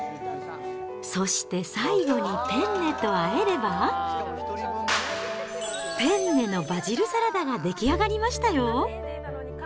そして最後にペンネとあえれば、ペンネのバジルサラダが出来上がりましたよ。